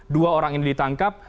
dua orang ini ditangkap